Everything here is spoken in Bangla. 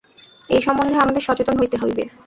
এই সন্বন্ধে আমাদের সচেতন হইতে হইবে।